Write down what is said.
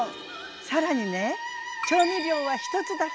更にね調味料は１つだけ！